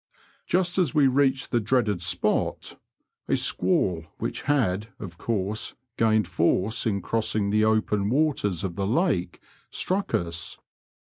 Just as we reached the dreaded spot, a squall, which had, of course, gained force in crossing the open waters of the lake, struck us.